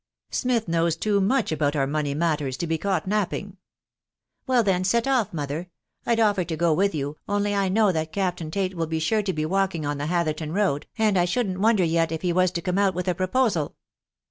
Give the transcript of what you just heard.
Smith knows too much about our money matters to be caught napping." " Well then, set off, mother ! I'd offer to go with you, $nly I know that Captain Tate will be sure to be walking on the Hatherton Road, and I shouldn't wonder yet if he was to come out with a proposal."